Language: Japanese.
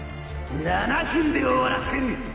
７分で終わらせる！